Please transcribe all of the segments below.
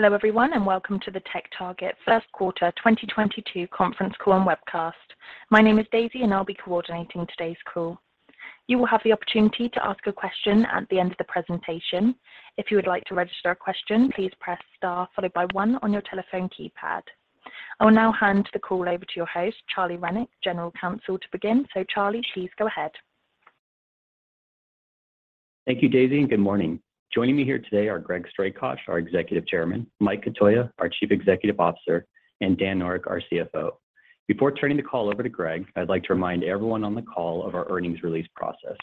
Hello everyone, and welcome to the TechTarget Q1 2022 Conference Call and Webcast. My name is Daisy, and I'll be coordinating today's call. You will have the opportunity to ask a question at the end of the presentation. If you would like to register a question, please press Star followed by 1 on your telephone keypad. I will now hand the call over to your host, Charlie Rennick, General Counsel, to begin. Charlie, please go ahead. Thank you, Daisy, and good morning. Joining me here today are Greg Strakosch, our Executive Chairman, Mike Cotoia, our Chief Executive Officer, and Dan Noreck, our CFO. Before turning the call over to Greg, I'd like to remind everyone on the call of our earnings release process.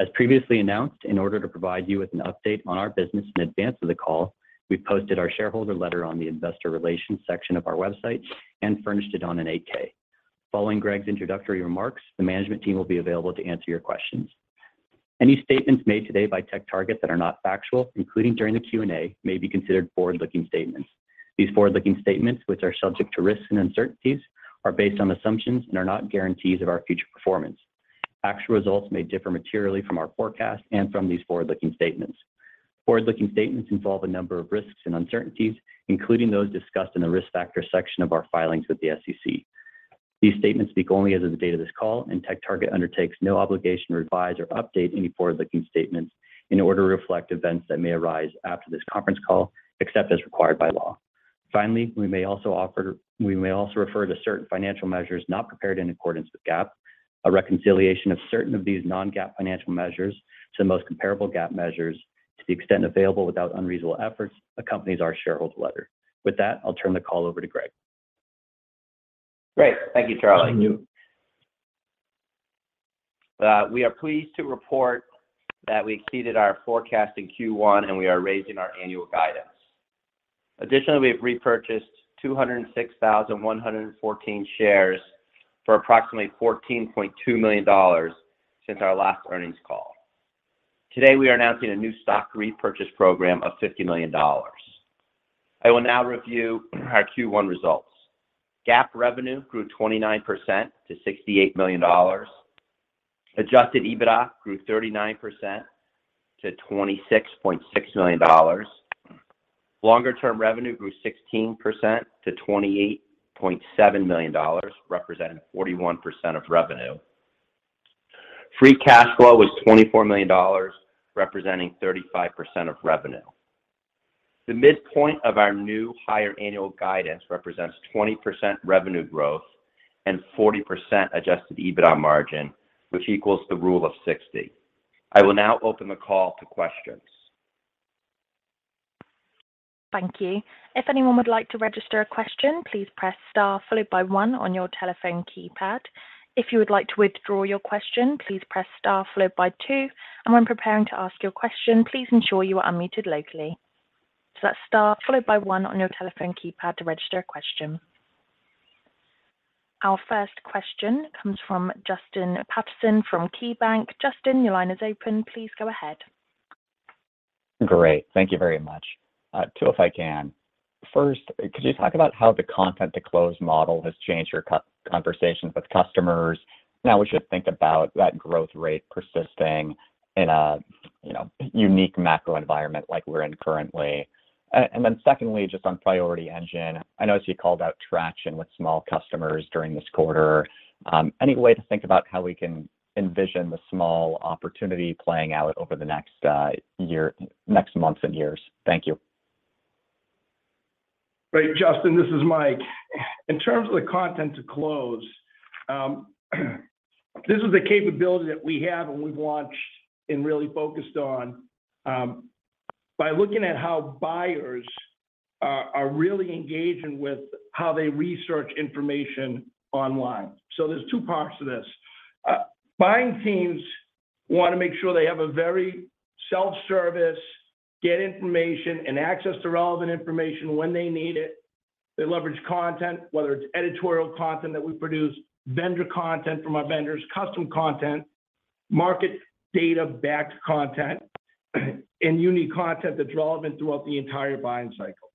As previously announced, in order to provide you with an update on our business in advance of the call, we posted our shareholder letter on the Investor Relations section of our website and furnished it on an 8-K. Following Greg's introductory remarks, the management team will be available to answer your questions. Any statements made today by TechTarget that are not factual, including during the Q&A, may be considered forward-looking statements. These forward-looking statements, which are subject to risks and uncertainties, are based on assumptions and are not guarantees of our future performance. Actual results may differ materially from our forecast and from these forward-looking statements. Forward-looking statements involve a number of risks and uncertainties, including those discussed in the risk factor section of our filings with the SEC. These statements speak only as of the date of this call, and TechTarget undertakes no obligation to revise or update any forward-looking statements in order to reflect events that may arise after this conference call, except as required by law. Finally, we may also refer to certain financial measures not prepared in accordance with GAAP. A reconciliation of certain of these non-GAAP financial measures to the most comparable GAAP measures, to the extent available without unreasonable efforts, accompanies our shareholder letter. With that, I'll turn the call over to Greg. Great. Thank you, Charlie. Thank you. We are pleased to report that we exceeded our forecast in Q1, and we are raising our annual guidance. Additionally, we have repurchased 206,114 shares for approximately $14.2 million since our last earnings call. Today, we are announcing a new stock repurchase program of $50 million. I will now review our Q1 results. GAAP revenue grew 29% to $68 million. Adjusted EBITDA grew 39% to $26.6 million. Longer term revenue grew 16% to $28.7 million, representing 41% of revenue. Free cash flow was $24 million, representing 35% of revenue. The midpoint of our new higher annual guidance represents 20% revenue growth and 40% adjusted EBITDA margin, which equals the Rule of 60. I will now open the call to questions. Thank you. If anyone would like to register a question, please press Star followed by 1 on your telephone keypad. If you would like to withdraw your question, please press Star followed by 2, and when preparing to ask your question, please ensure you are unmuted locally. That's star followed by 1 on your telephone keypad to register a question. Our first question comes from Justin Patterson from KeyBanc Capital Markets. Justin, your line is open. Please go ahead. Great. Thank you very much. Two if I can. First, could you talk about how the Content to Close model has changed your conversations with customers and how we should think about that growth rate persisting in a, you know, unique macro environment like we're in currently? Secondly, just on Priority Engine, I noticed you called out traction with small customers during this quarter. Any way to think about how we can envision the small opportunity playing out over the next months and years? Thank you. Great, Justin. This is Mike. In terms of the Content to Close, this is the capability that we have, and we've launched and really focused on, by looking at how buyers are really engaging with how they research information online. There's two parts to this. Buying teams wanna make sure they have a very self-service, get information and access to relevant information when they need it. They leverage content, whether it's editorial content that we produce, vendor content from our vendors, custom content, market data-backed content, and unique content that's relevant throughout the entire buying cycle.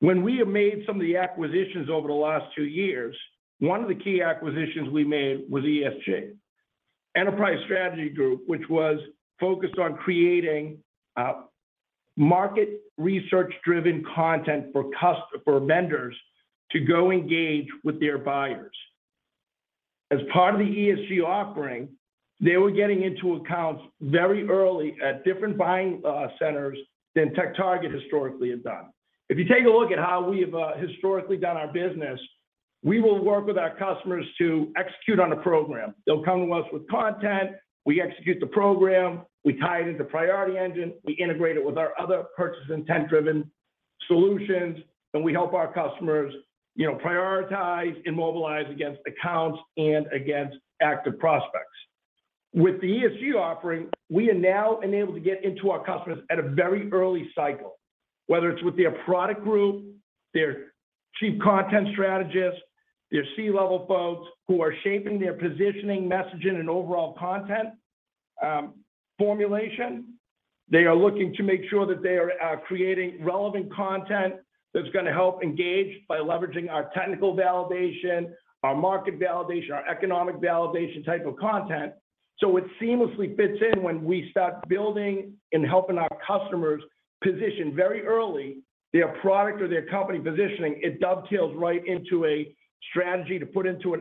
When we have made some of the acquisitions over the last two years, one of the key acquisitions we made was ESG, Enterprise Strategy Group, which was focused on creating, market research-driven content for vendors to go engage with their buyers. As part of the ESG offering, they were getting into accounts very early at different buying centers than TechTarget historically had done. If you take a look at how we've historically done our business, we will work with our customers to execute on a program. They'll come to us with content, we execute the program, we tie it into Priority Engine, we integrate it with our other purchase intent-driven solutions, and we help our customers, you know, prioritize and mobilize against accounts and against active prospects. With the ESG offering, we are now enabled to get into our customers at a very early cycle, whether it's with their product group, their chief content strategist, their C-level folks who are shaping their positioning, messaging, and overall content formulation. They are looking to make sure that they are creating relevant content that's gonna help engage by leveraging our technical validation, our market validation, our economic validation type of content. It seamlessly fits in when we start building and helping our customers position very early their product or their company positioning. It dovetails right into a strategy to put into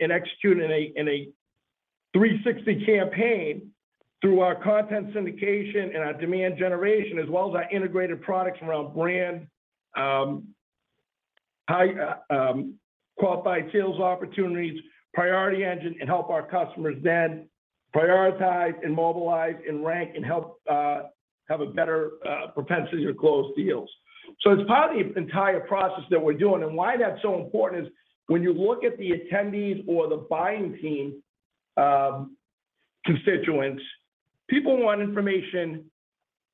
and execute in a 360 campaign through our content syndication and our demand generation, as well as our integrated products around brand, highly qualified sales opportunities, Priority Engine, and help our customers then prioritize and mobilize and rank and help have a better propensity to close deals. It's part of the entire process that we're doing. Why that's so important is when you look at the attendees or the buying team, constituents, people want information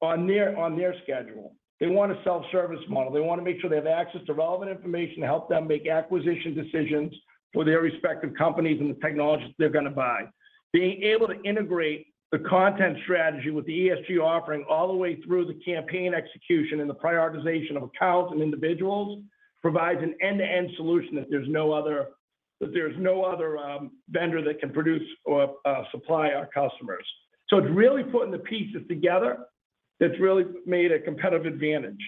on their schedule. They want a self-service model. They wanna make sure they have access to relevant information to help them make acquisition decisions for their respective companies and the technologies they're gonna buy. Being able to integrate the content strategy with the ESG offering all the way through the campaign execution and the prioritization of accounts and individuals provides an end-to-end solution that there's no other vendor that can produce or supply our customers. It's really putting the pieces together that's really made a competitive advantage.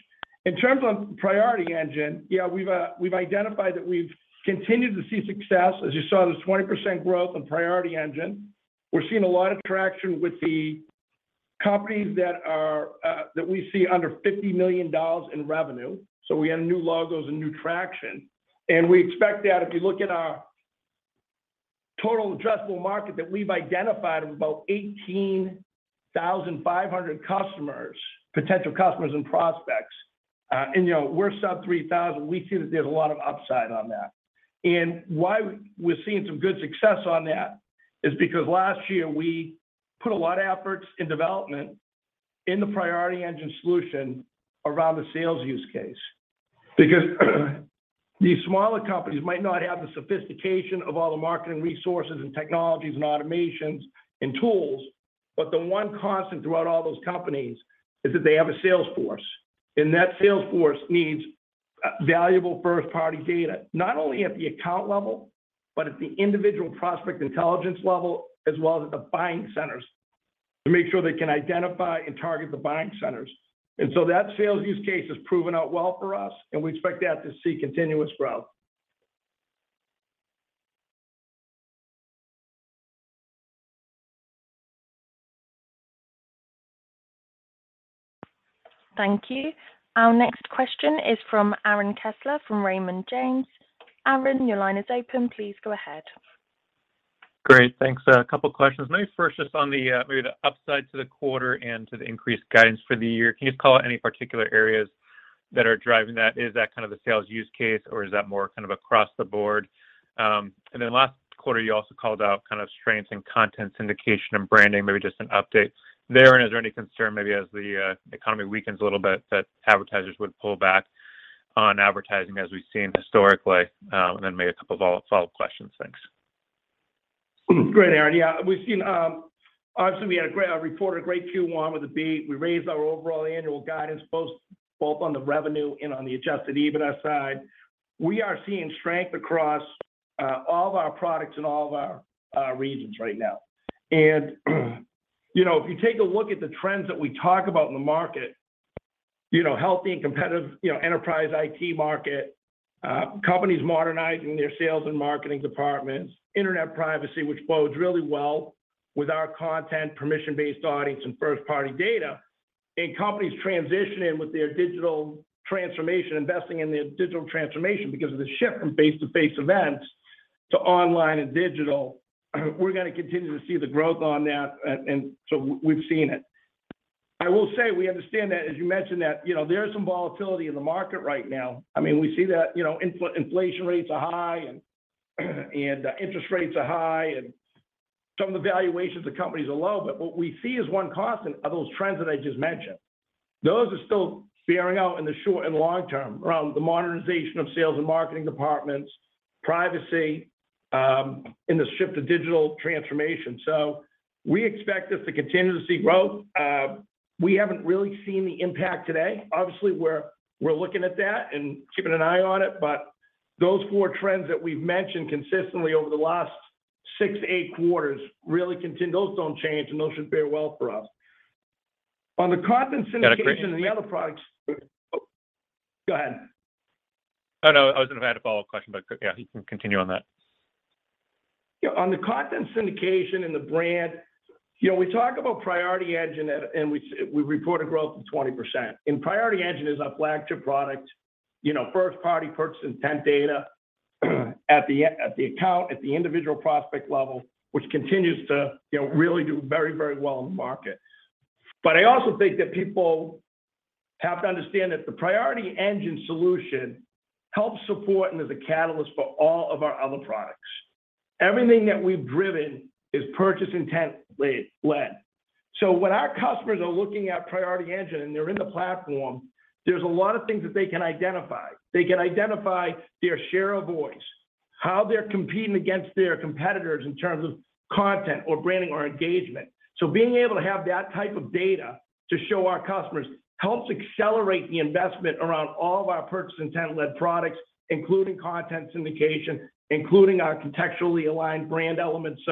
In terms of Priority Engine, yeah, we've identified that we've continued to see success. As you saw, there's 20% growth on Priority Engine. We're seeing a lot of traction with the companies that are, that we see under $50 million in revenue. We had new logos and new traction. We expect that if you look at our total addressable market that we've identified of about 18,500 customers, potential customers and prospects, and you know, we're sub 3,000, we see that there's a lot of upside on that. Why we're seeing some good success on that is because last year, we put a lot of efforts in development in the Priority Engine solution around the sales use case. Because these smaller companies might not have the sophistication of all the marketing resources and technologies and automations and tools, but the one constant throughout all those companies is that they have a Salesforce. That Salesforce needs valuable first-party data, not only at the account level, but at the individual prospect intelligence level, as well as at the buying centers to make sure they can identify and target the buying centers. That sales use case has proven out well for us, and we expect that to see continuous growth. Thank you. Our next question is from Aaron Kessler from Raymond James. Aaron, your line is open. Please go ahead. Great. Thanks. A couple questions. Maybe first just on the, maybe the upside to the quarter and to the increased guidance for the year. Can you call out any particular areas that are driving that? Is that kind of the sales use case, or is that more kind of across the board? And then last quarter, you also called out kind of strengths in content syndication and branding, maybe just an update there. Is there any concern maybe as the economy weakens a little bit that advertisers would pull back on advertising as we've seen historically? And then maybe a couple of follow-up questions. Thanks. Great, Aaron. Yeah. We've seen obviously we reported a great Q1 with the beat. We raised our overall annual guidance both on the revenue and on the Adjusted EBITDA side. We are seeing strength across all of our products in all of our regions right now. You know, if you take a look at the trends that we talk about in the market, you know, healthy and competitive, you know, enterprise IT market, companies modernizing their sales and marketing departments, internet privacy, which bodes really well with our content permission-based audience and first-party data, and companies transitioning with their digital transformation, investing in their digital transformation because of the shift from face-to-face events to online and digital, we're gonna continue to see the growth on that, and so we've seen it. I will say we understand that, as you mentioned, that, you know, there is some volatility in the market right now. I mean, we see that, you know, inflation rates are high, and interest rates are high, and some of the valuations of companies are low. What we see is one constant are those trends that I just mentioned. Those are still bearing out in the short and long term, around the modernization of sales and marketing departments, privacy, and the shift to digital transformation. We expect us to continue to see growth. We haven't really seen the impact today. Obviously, we're looking at that and keeping an eye on it. Those four trends that we've mentioned consistently over the last six, eight quarters really those don't change, and those should bear well for us. On the content syndication- Got a quick- The other products. Go ahead. Oh, no. I was gonna have a follow-up question, but yeah, you can continue on that. Yeah. On the content syndication and the brand, you know, we talk about Priority Engine, and we reported growth of 20%. Priority Engine is our flagship product, you know, first-party purchase intent data at the account, at the individual prospect level, which continues to, you know, really do very, very well in the market. I also think that people have to understand that the Priority Engine solution helps support and is a catalyst for all of our other products. Everything that we've driven is purchase intent led. When our customers are looking at Priority Engine and they're in the platform, there's a lot of things that they can identify. They can identify their share of voice, how they're competing against their competitors in terms of content or branding or engagement. Being able to have that type of data to show our customers helps accelerate the investment around all of our purchase intent-led products, including content syndication, including our contextually aligned brand elements.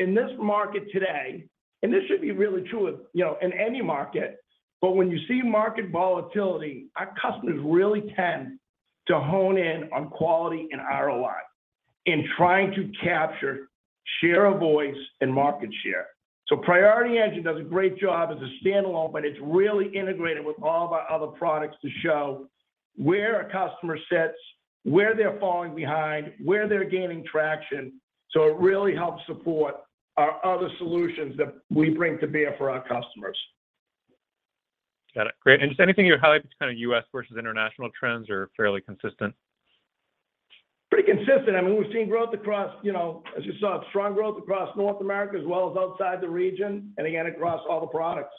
In this market today, and this should be really true of, you know, in any market. When you see market volatility, our customers really tend to hone in on quality and ROI in trying to capture share of voice and market share. Priority Engine does a great job as a standalone, but it's really integrated with all of our other products to show where a customer sits, where they're falling behind, where they're gaining traction. It really helps support our other solutions that we bring to bear for our customers. Got it. Great. Just anything you highlight between kind of U.S. versus international trends or fairly consistent? Pretty consistent. I mean, we've seen growth across, you know, as you saw, strong growth across North America as well as outside the region and again, across all the products.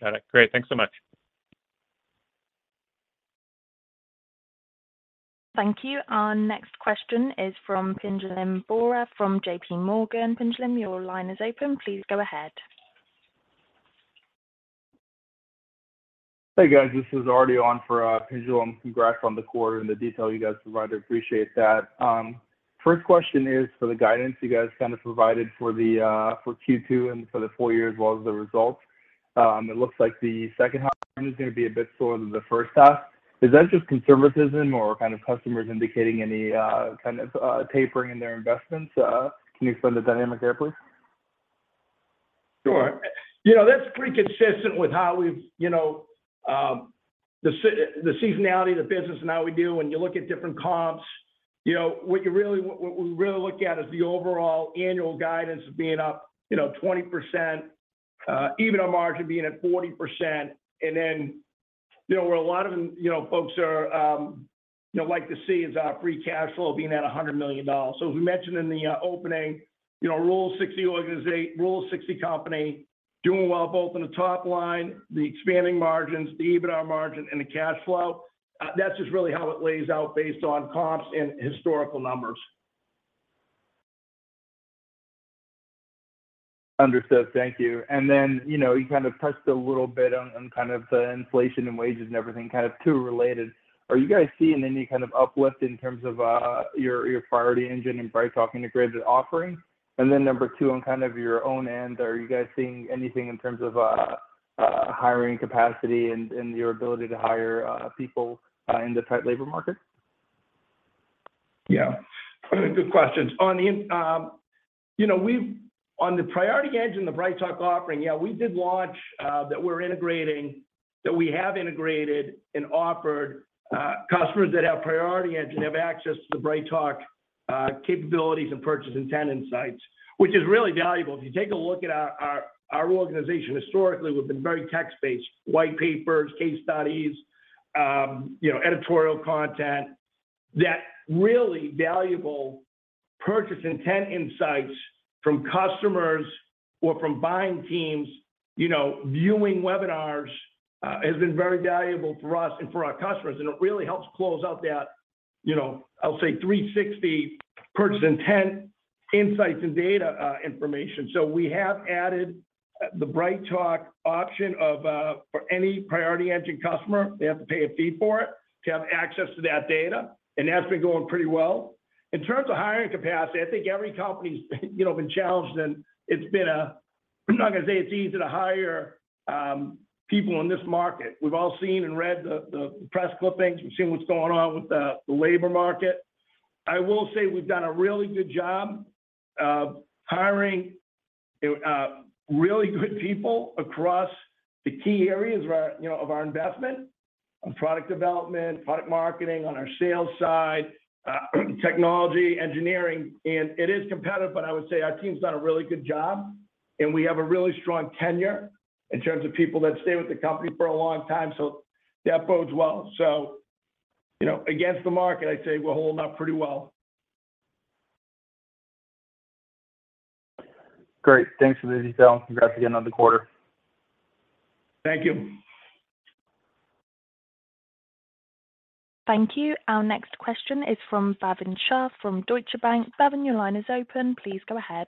Got it. Great. Thanks so much. Thank you. Our next question is from Pinjalim Bora from JPMorgan. Pinjalim, your line is open. Please go ahead. Hey, guys, this is Harlan Sur on for Pinjalim. Congrats on the quarter and the detail you guys provided. Appreciate that. First question is for the guidance you guys kind of provided for Q2 and for the full year as well as the results. It looks like the second half is gonna be a bit slower than the first half. Is that just conservatism or kind of customers indicating any kind of tapering in their investments? Can you explain the dynamic there, please? Sure. You know, that's pretty consistent with how we've, you know, the seasonality of the business and how we do when you look at different comps. You know, what we really look at is the overall annual guidance being up, you know, 20%, even our margin being at 40%. Then, you know, where a lot of, you know, folks, you know, like to see is our free cash flow being at $100 million. As we mentioned in the opening, you know, Rule of 60 company doing well both in the top line, the expanding margins, the EBITDA margin and the cash flow. That's just really how it lays out based on comps and historical numbers. Understood. Thank you. You know, you kind of touched a little bit on on kind of the inflation in wages and everything kind of too related. Are you guys seeing any kind of uplift in terms of your Priority Engine and BrightTALK integrated offering? Number two, on kind of your own end, are you guys seeing anything in terms of hiring capacity and your ability to hire people in the tight labor market? Yeah. Good questions. On the Priority Engine, the BrightTalk offering, yeah, we did launch that we're integrating, that we have integrated and offered customers that have Priority Engine have access to the BrightTalk capabilities and purchase intent insights, which is really valuable. If you take a look at our organization historically, we've been very tech-based, white papers, case studies, you know, editorial content. That really valuable purchase intent insights from customers or from buying teams, you know, viewing webinars, has been very valuable for us and for our customers. It really helps close out that, you know, I'll say 360 purchase intent, insights and data, information. We have added the BrightTalk option of for any Priority Engine customer. They have to pay a fee for it to have access to that data, and that's been going pretty well. In terms of hiring capacity, I think every company's, you know, been challenged, and it's been. I'm not gonna say it's easy to hire people in this market. We've all seen and read the press clippings. We've seen what's going on with the labor market. I will say we've done a really good job of hiring really good people across the key areas where, you know, of our investment, on product development, product marketing, on our sales side, technology, engineering. It is competitive, but I would say our team's done a really good job, and we have a really strong tenure in terms of people that stay with the company for a long time. That bodes well. You know, against the market, I'd say we're holding up pretty well. Great. Thanks for the detail. Congrats again on the quarter. Thank you. Thank you. Our next question is from Bhavin Shah from Deutsche Bank. Bhavin, your line is open. Please go ahead.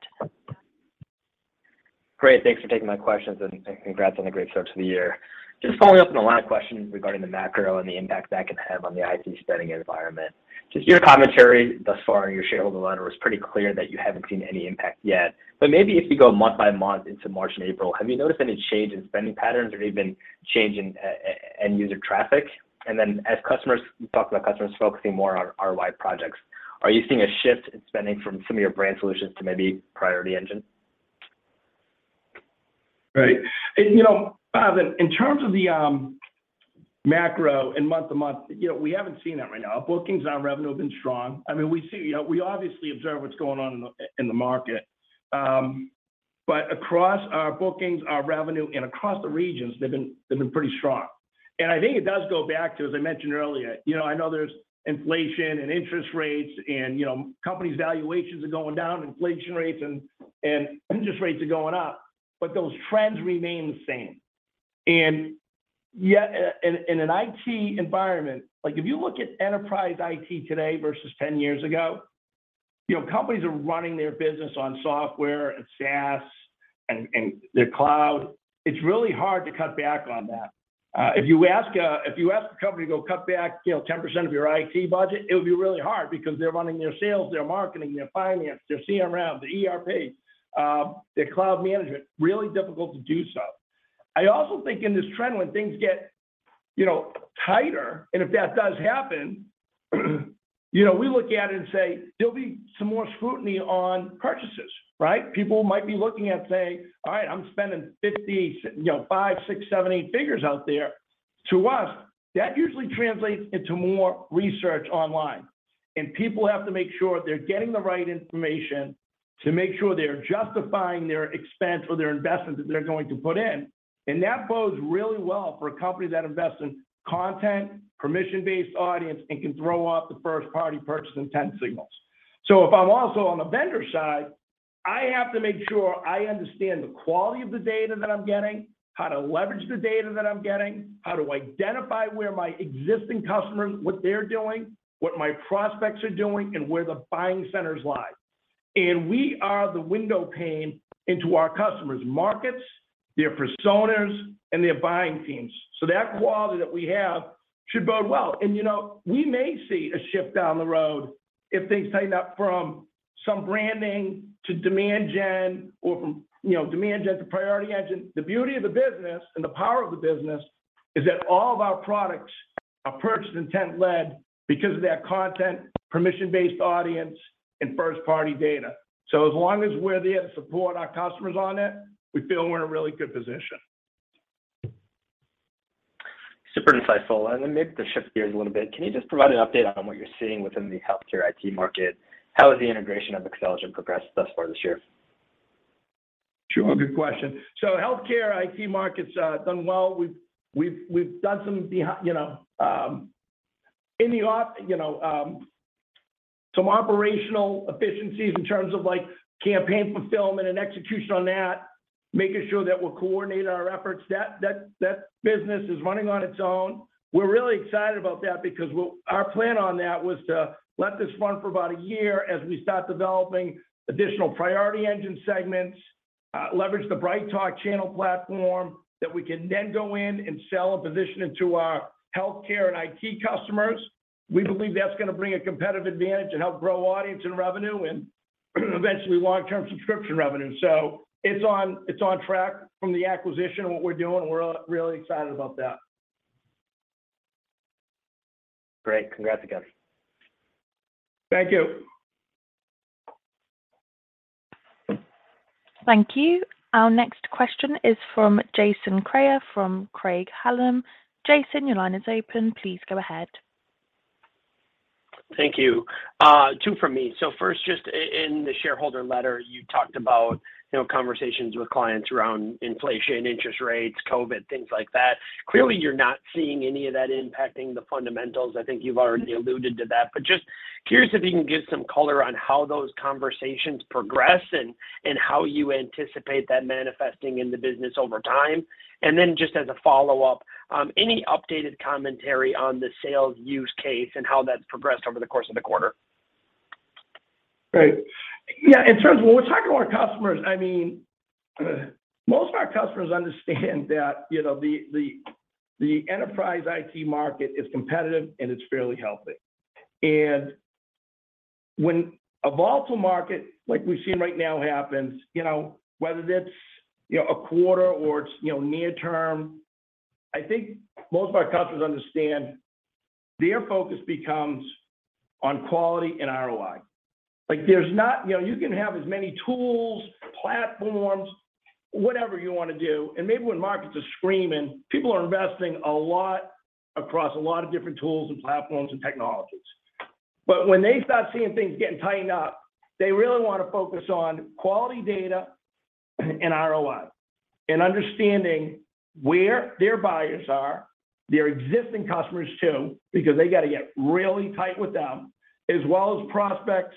Great. Thanks for taking my questions and congrats on the great start to the year. Just following up on the line of questioning regarding the macro and the impact that can have on the IT spending environment. Just your commentary thus far in your shareholder letter was pretty clear that you haven't seen any impact yet. Maybe if you go month by month into March and April, have you noticed any change in spending patterns or even change in end user traffic? Then as customers you talked about customers focusing more on ROI projects, are you seeing a shift in spending from some of your brand solutions to maybe Priority Engine? Right. You know, Bhavin, in terms of the macro and month-to-month, you know, we haven't seen that right now. Bookings on revenue have been strong. I mean, we see, you know, we obviously observe what's going on in the market. Across our bookings, our revenue, and across the regions, they've been pretty strong. I think it does go back to, as I mentioned earlier, you know, I know there's inflation and interest rates and, you know, companies' valuations are going down, inflation rates and interest rates are going up, but those trends remain the same. Yet in an IT environment, like if you look at enterprise IT today versus 10 years ago, you know, companies are running their business on software and SaaS. And their cloud, it's really hard to cut back on that. If you ask a company to go cut back, you know, 10% of your IT budget, it would be really hard because they're running their sales, their marketing, their finance, their CRM, the ERP, their cloud management, really difficult to do so. I also think in this trend, when things get, you know, tighter, and if that does happen, you know, we look at it and say there'll be some more scrutiny on purchases, right? People might be looking at saying, "All right, I'm spending 5, you know, 6, 7, 8 figures out there." To us, that usually translates into more research online. People have to make sure they're getting the right information to make sure they're justifying their expense or their investment that they're going to put in. That bodes really well for a company that invests in content, permission-based audience, and can throw out the first-party purchase intent signals. If I'm also on the vendor side, I have to make sure I understand the quality of the data that I'm getting, how to leverage the data that I'm getting, how to identify where my existing customers, what they're doing, what my prospects are doing, and where the buying centers lie. We are the window pane into our customers' markets, their personas, and their buying teams. That quality that we have should bode well. You know, we may see a shift down the road if things tighten up from some branding to demand gen or from, you know, demand gen to Priority Engine. The beauty of the business and the power of the business is that all of our products are purchase intent led because of their content, permission-based audience, and first-party data. As long as we're there to support our customers on it, we feel we're in a really good position. Super insightful. Maybe to shift gears a little bit, can you just provide an update on what you're seeing within the healthcare IT market? How has the integration of XTelligent progressed thus far this year? Sure. Good question. Healthcare IT market's done well. We've done some operational efficiencies in terms of like campaign fulfillment and execution on that, making sure that we're coordinating our efforts. That business is running on its own. We're really excited about that because our plan on that was to let this run for about a year as we start developing additional Priority Engine segments, leverage the BrightTALK channel platform that we can then go in and sell and position into our healthcare and IT customers. We believe that's gonna bring a competitive advantage and help grow audience and revenue, and eventually long-term subscription revenue. It's on track from the acquisition and what we're doing, and we're really excited about that. Great. Congrats again. Thank you. Thank you. Our next question is from Jason Kreyer from Craig-Hallum. Jason, your line is open. Please go ahead. Thank you. Two from me. First, just in the shareholder letter, you talked about, you know, conversations with clients around inflation, interest rates, COVID, things like that. Clearly, you're not seeing any of that impacting the fundamentals. I think you've already alluded to that. Just curious if you can give some color on how those conversations progress and how you anticipate that manifesting in the business over time. Just as a follow-up, any updated commentary on the sales use case and how that's progressed over the course of the quarter? Right. Yeah, in terms of when we're talking to our customers, I mean, most of our customers understand that, you know, the enterprise IT market is competitive and it's fairly healthy. When a volatile market like we've seen right now happens, you know, whether that's, you know, a quarter or it's, you know, near term, I think most of our customers understand their focus becomes on quality and ROI. Like there's not, you know, you can have as many tools, platforms, whatever you wanna do, and maybe when markets are screaming, people are investing a lot across a lot of different tools and platforms and technologies. when they start seeing things getting tightened up, they really wanna focus on quality data and ROI and understanding where their buyers are, their existing customers too, because they gotta get really tight with them, as well as prospects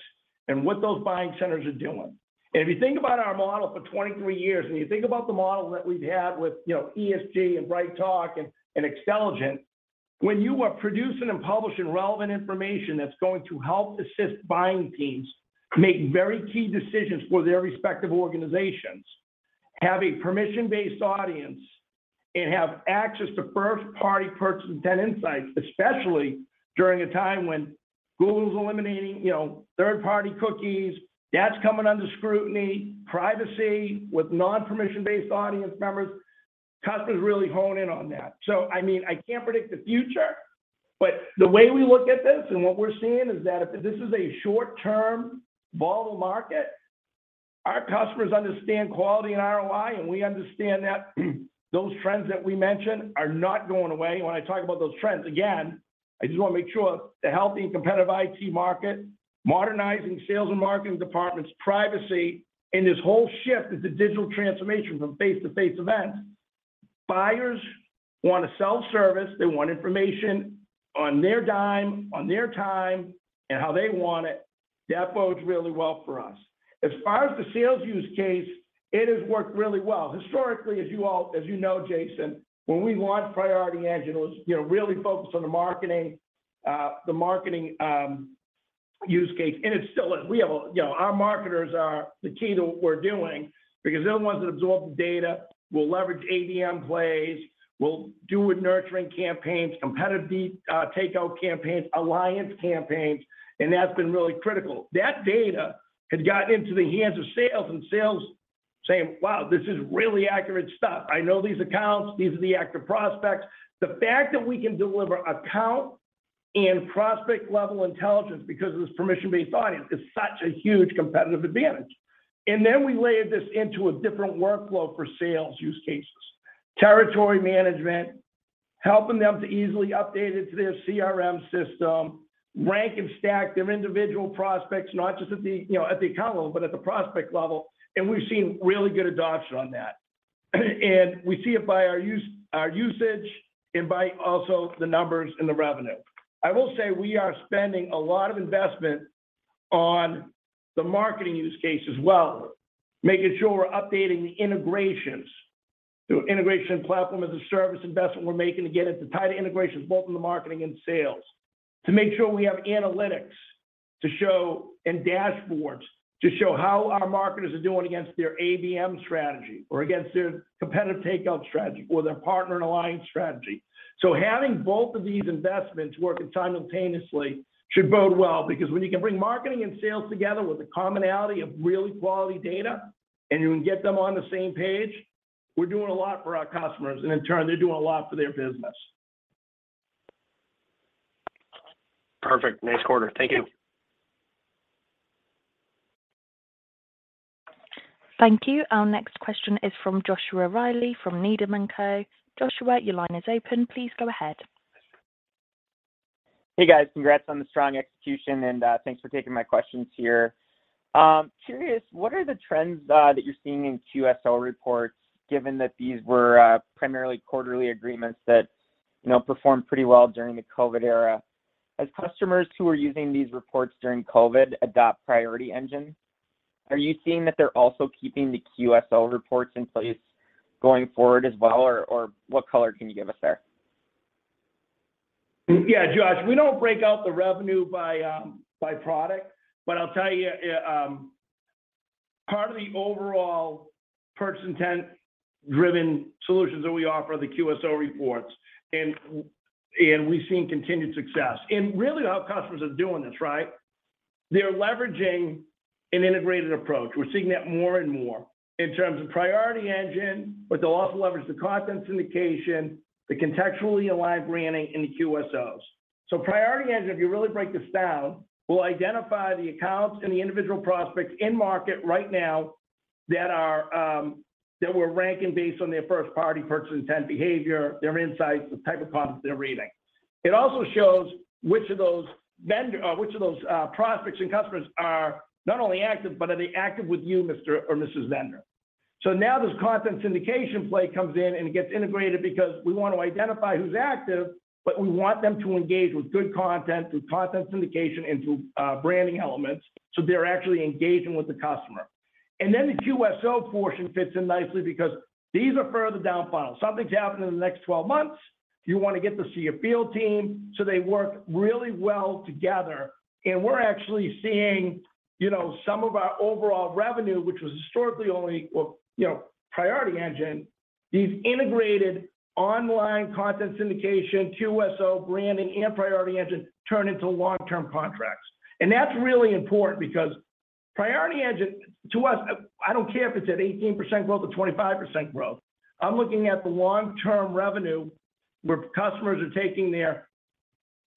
and what those buying centers are doing. If you think about our model for 23 years, and you think about the model that we've had with, you know, ESG and BrightTALK and XTelligent, when you are producing and publishing relevant information that's going to help assist buying teams make very key decisions for their respective organizations, have a permission-based audience, and have access to first-party purchase intent insights, especially during a time when Google's eliminating, you know, third-party cookies, that's coming under scrutiny, privacy with non-permission-based audience members, customers really hone in on that. I mean, I can't predict the future, but the way we look at this and what we're seeing is that if this is a short-term volatile market, our customers understand quality and ROI, and we understand that those trends that we mentioned are not going away. When I talk about those trends, again, I just wanna make sure the healthy and competitive IT market, modernizing sales and marketing departments, privacy, and this whole shift into digital transformation from face-to-face events, buyers want a self-service. They want information on their dime, on their time, and how they want it. That bodes really well for us. As far as the sales use case, it has worked really well. Historically, as you know, Jason, when we launched Priority Engine, it was, you know, really focused on the marketing use case, and it's still a. We have a, you know, our marketers are the key to what we're doing because they're the ones that absorb the data, will leverage ABM plays, will do a nurturing campaigns, competitive, takeout campaigns, alliance campaigns, and that's been really critical. That data had gotten into the hands of sales, and sales saying, "Wow, this is really accurate stuff. I know these accounts, these are the active prospects." The fact that we can deliver account and prospect-level intelligence because of this permission-based audience is such a huge competitive advantage. Then we layered this into a different workflow for sales use cases. Territory management, helping them to easily update it to their CRM system, rank and stack their individual prospects, not just at the, you know, at the account level, but at the prospect level, and we've seen really good adoption on that. We see it by our use, our usage and by also the numbers and the revenue. I will say, we are spending a lot of investment on the marketing use case as well, making sure we're updating the integrations. The integration platform as a service investment we're making again is to tie the integrations both in the marketing and sales, to make sure we have analytics to show, and dashboards to show how our marketers are doing against their ABM strategy or against their competitive takeout strategy or their partner and alliance strategy. Having both of these investments working simultaneously should bode well because when you can bring marketing and sales together with the commonality of really quality data, and you can get them on the same page, we're doing a lot for our customers, and in turn, they're doing a lot for their business. Perfect. Nice quarter. Thank you. Thank you. Our next question is from Joshua Reilly from Needham & Company. Joshua, your line is open. Please go ahead. Hey, guys. Congrats on the strong execution, and thanks for taking my questions here. Curious, what are the trends that you're seeing in QSO reports given that these were primarily quarterly agreements that, you know, performed pretty well during the COVID era? As customers who were using these reports during COVID adopt Priority Engine, are you seeing that they're also keeping the QSO reports in place going forward as well, or what color can you give us there? Yeah, Joshua, we don't break out the revenue by product. I'll tell you, part of the overall purchase intent-driven solutions that we offer are the QSO reports, and we've seen continued success. Really how customers are doing this, right? They're leveraging an integrated approach. We're seeing that more and more in terms of Priority Engine, but they'll also leverage the content syndication, the contextually alive branding in the QSOs. Priority Engine, if you really break this down, will identify the accounts and the individual prospects in market right now that we're ranking based on their first-party purchase intent behavior, their insights, the type of content they're reading. It also shows which of those prospects and customers are not only active, but are they active with you, Mr. or Mrs. Vendor. Now this content syndication play comes in, and it gets integrated because we want to identify who's active, but we want them to engage with good content, through content syndication, and through branding elements, so they're actually engaging with the customer. The QSO portion fits in nicely because these are further down funnels. Something's happening in the next 12 months, you wanna get to see a field team, so they work really well together. We're actually seeing, you know, some of our overall revenue, which was historically only, well, you know, Priority Engine, these integrated online content syndication, QSO branding, and Priority Engine turn into long-term contracts. That's really important because Priority Engine, to us, I don't care if it's at 18% growth or 25% growth. I'm looking at the long-term revenue where customers are taking their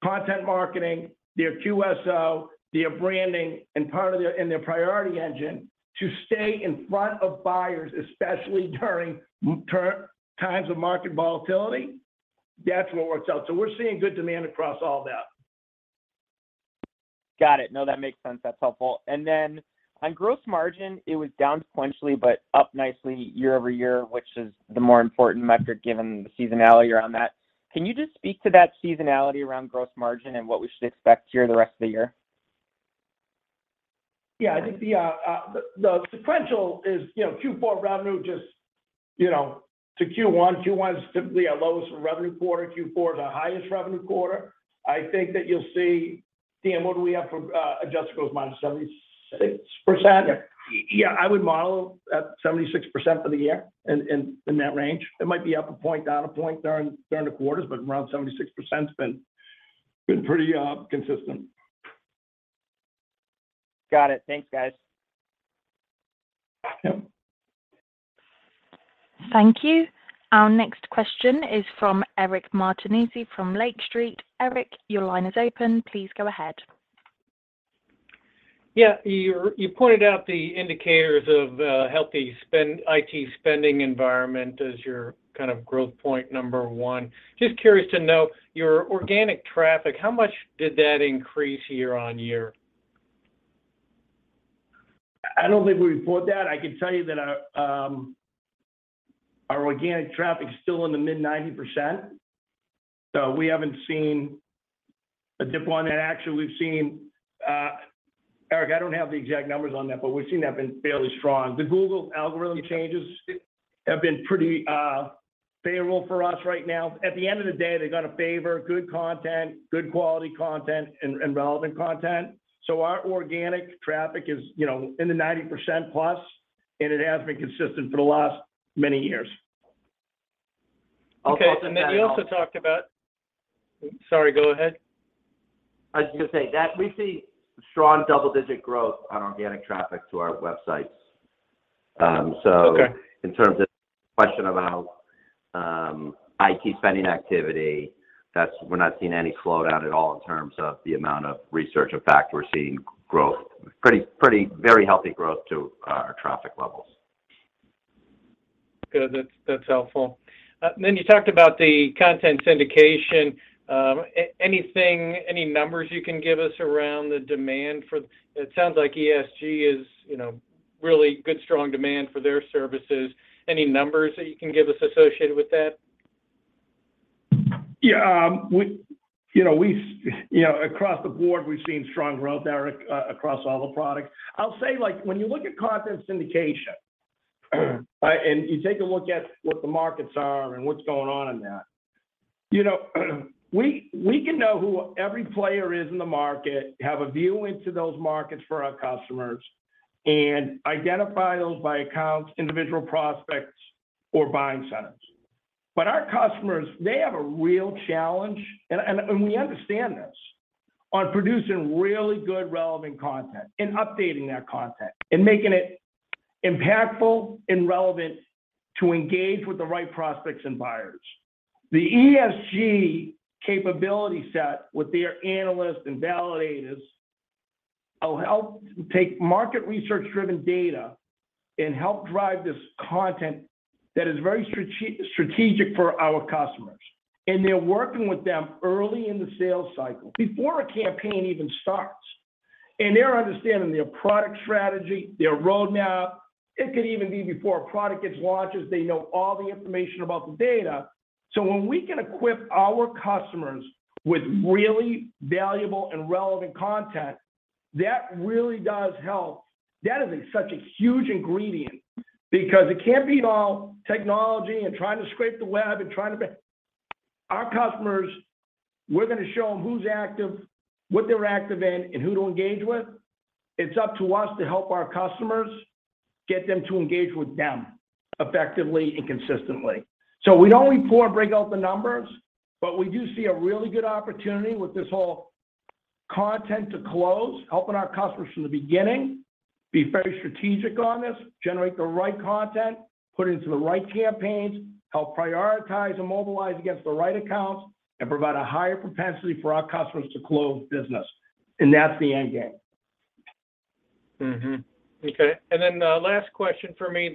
content marketing, their QSO, their branding, and part of their Priority Engine to stay in front of buyers, especially during times of market volatility. That's what works out. We're seeing good demand across all of that. Got it. No, that makes sense. That's helpful. On gross margin, it was down sequentially, but up nicely year-over-year, which is the more important metric given the seasonality around that. Can you just speak to that seasonality around gross margin and what we should expect here the rest of the year? Yeah. I think the sequential is, you know, Q4 revenue just, you know, to Q1. Q1 is typically our lowest revenue quarter. Q4 is our highest revenue quarter. I think that you'll see. Dan, what do we have for Adjusted EBITDA, minus 76%? 7. Yeah. Yeah, I would model at 76% for the year, in that range. It might be up a point, down a point during the quarters, but around 76%'s been pretty consistent. Got it. Thanks, guys. Yeah. Thank you. Our next question is from Eric Martinuzzi from Lake Street. Eric, your line is open. Please go ahead. Yeah. You pointed out the indicators of healthy spend, IT spending environment as your kind of growth point number one. Just curious to know, your organic traffic, how much did that increase year-over-year? I don't think we report that. I can tell you that our organic traffic's still in the mid-90%. We haven't seen a dip on that. Actually, we've seen, Eric, I don't have the exact numbers on that, but we've seen that been fairly strong. The Google algorithm changes have been pretty favorable for us right now. At the end of the day, they're gonna favor good content, good quality content and relevant content. Our organic traffic is, you know, in the 90% plus, and it has been consistent for the last many years. Okay so then we also talk about. Sorry, go ahead. I was gonna say that we see strong double-digit growth on organic traffic to our websites. Okay. In terms of question about IT spending activity, we're not seeing any slowdown at all in terms of the amount of research. In fact, we're seeing growth. Pretty very healthy growth to our traffic levels. Good. That's helpful. You talked about the content syndication. Anything, any numbers you can give us around the demand for it. It sounds like ESG is really good strong demand for their services. Any numbers that you can give us associated with that? Yeah. You know, across the board, we've seen strong growth, Eric, across all the products. I'll say, like, when you look at content syndication, and you take a look at what the markets are and what's going on in that, you know, we can know who every player is in the market, have a view into those markets for our customers, and identify those by accounts, individual prospects or buying centers. But our customers, they have a real challenge, and we understand this, on producing really good relevant content and updating that content and making it impactful and relevant to engage with the right prospects and buyers. The ESG capability set with their analysts and validators will help take market research-driven data and help drive this content that is very strategic for our customers. They're working with them early in the sales cycle before a campaign even starts. They're understanding their product strategy, their roadmap. It could even be before a product gets launched, as they know all the information about the data. When we can equip our customers with really valuable and relevant content, that really does help. That is such a huge ingredient because it can't be all technology and trying to scrape the web and trying to be. Our customers, we're gonna show them who's active, what they're active in, and who to engage with. It's up to us to help our customers get them to engage with them effectively and consistently. We don't report or break out the numbers, but we do see a really good opportunity with this whole Content to Close, helping our customers from the beginning be very strategic on this, generate the right content, put it into the right campaigns, help prioritize and mobilize against the right accounts, and provide a higher propensity for our customers to close business. That's the end game. Okay. The last question for me,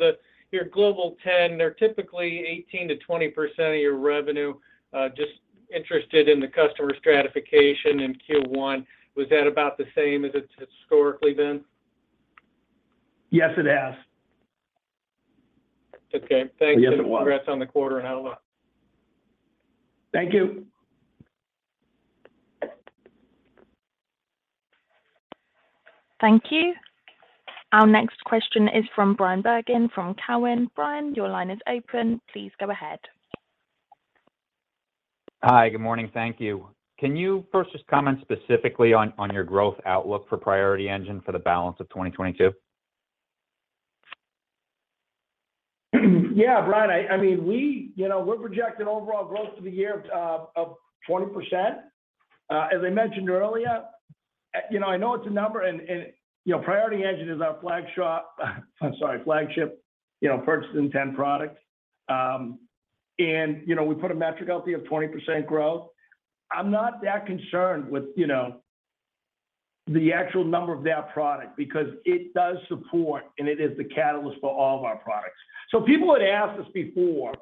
your global ten, they're typically 18%-20% of your revenue. Just interested in the customer stratification in Q1. Was that about the same as it's historically been? Yes, it has. Okay. Thank you. Yes, it was. Congrats on the quarter, and how it went. Thank you. Thank you. Our next question is from Bryan Bergin from Cowen. Bryan, your line is open. Please go ahead. Hi. Good morning. Thank you. Can you first just comment specifically on your growth outlook for Priority Engine for the balance of 2022? Yeah, Bryan, I mean, you know, we're projecting overall growth for the year of 20%. As I mentioned earlier, you know, I know it's a number and, you know, Priority Engine is our flagship, you know, purchase intent product. And, you know, we put a metric out there of 20% growth. I'm not that concerned with, you know, the actual number of that product because it does support, and it is the catalyst for all of our products. People had asked us before,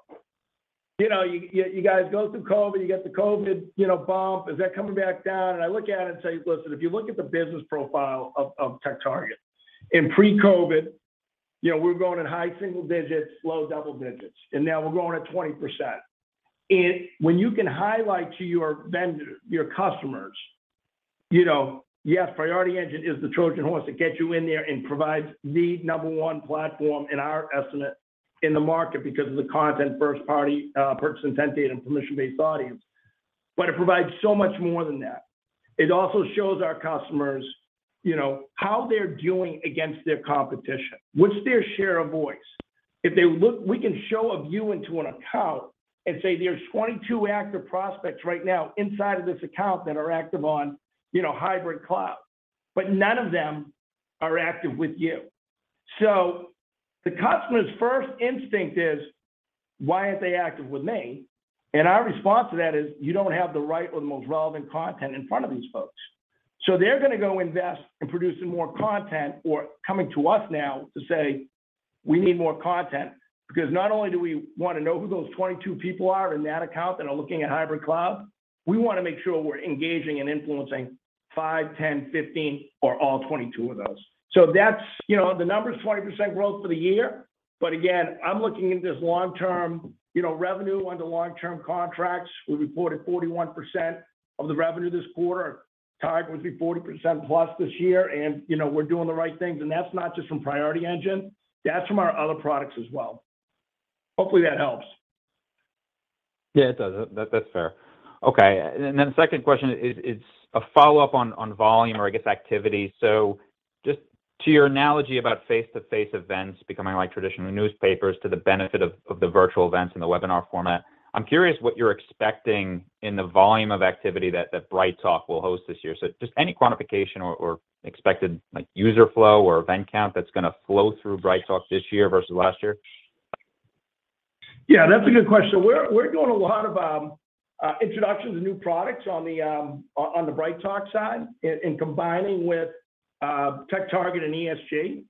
you know, "You guys go through COVID, you get the COVID, you know, bump. Is that coming back down?" I look at it and say, "Listen, if you look at the business profile of TechTarget in pre-COVID, you know, we're growing at high single digits, low double digits, and now we're growing at 20%." When you can highlight to your vendor, your customers, you know, yes, Priority Engine is the Trojan horse that gets you in there and provides the number one platform, in our estimate, in the market because of the content, first-party purchase intent data and permission-based audience, but it provides so much more than that. It also shows our customers, you know, how they're doing against their competition. What's their share of voice? If they look, we can show a view into an account and say there's 22 active prospects right now inside of this account that are active on, you know, hybrid cloud, but none of them are active with you. The customer's first instinct is, "Why aren't they active with me?" Our response to that is, "You don't have the right or the most relevant content in front of these folks." They're gonna go invest in producing more content or coming to us now to say, "We need more content," because not only do we wanna know who those 22 people are in that account that are looking at hybrid cloud, we wanna make sure we're engaging and influencing 5, 10, 15, or all 22 of those. That's, you know, the number's 20% growth for the year. Again, I'm looking at this long-term, you know, revenue under long-term contracts. We reported 41% of the revenue this quarter. Our target would be 40% plus this year and, you know, we're doing the right things, and that's not just from Priority Engine, that's from our other products as well. Hopefully, that helps. Yeah, it does. That's fair. Okay. Second question is a follow-up on volume or I guess activity. Just to your analogy about face-to-face events becoming like traditional newspapers to the benefit of the virtual events in the webinar format. I'm curious what you're expecting in the volume of activity that BrightTALK will host this year. Just any quantification or expected like user flow or event count that's gonna flow through BrightTALK this year versus last year? Yeah, that's a good question. We're doing a lot of introductions of new products on the BrightTALK side in combining with TechTarget and ESG.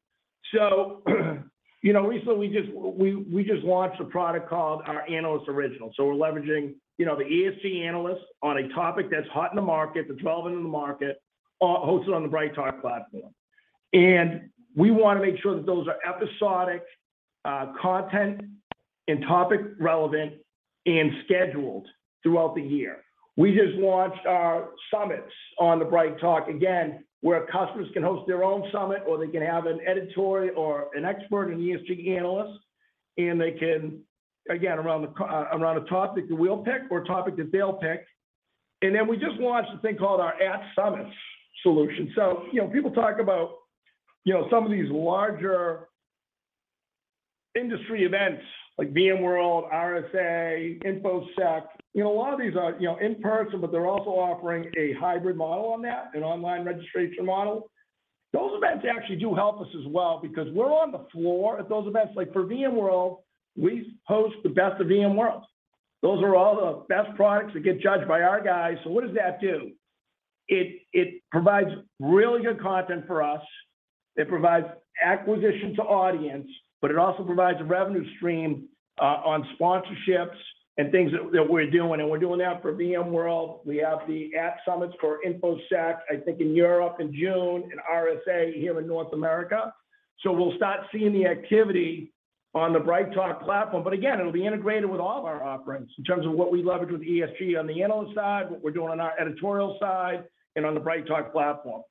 You know, recently we just launched a product called our Analyst Original. We're leveraging, you know, the ESG analyst on a topic that's hot in the market, they're developing in the market, hosted on the BrightTALK platform. We wanna make sure that those are episodic content and topic relevant and scheduled throughout the year. We just launched our app summits on the BrightTALK again, where customers can host their own app summit, or they can have an editorial or an expert, an ESG analyst, and they can, again, around a topic that we'll pick or a topic that they'll pick. We just launched a thing called our App Summits solution. You know, people talk about, you know, some of these larger industry events like VMworld, RSA, InfoSec. You know, a lot of these are, you know, in person, but they're also offering a hybrid model on that, an online registration model. Those events actually do help us as well because we're on the floor at those events. Like, for VMworld, we host the Best of VMworld. Those are all the best products that get judged by our guys. What does that do? It provides really good content for us. It provides acquisition to audience, but it also provides a revenue stream on sponsorships and things that we're doing. We're doing that for VMworld. We have the App Summits for InfoSec, I think in Europe in June, and RSA here in North America. We'll start seeing the activity on the BrightTALK platform. Again, it'll be integrated with all of our offerings in terms of what we leverage with ESG on the analyst side, what we're doing on our editorial side, and on the BrightTALK platform.